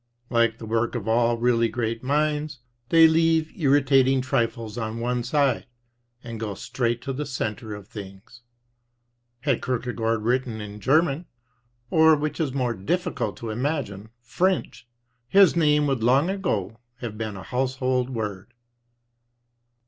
Like the work of all really great minds, they leave irritating trifles on one side, and go straight to the centre of things. Had Kierkegaard written in German or (which is more difficult to imagine) French, his name would long ago have been a household word.